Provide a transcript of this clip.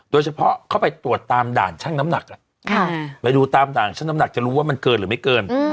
เข้าไปตรวจตามด่านช่างน้ำหนักไปดูตามด่านช่างน้ำหนักจะรู้ว่ามันเกินหรือไม่เกิน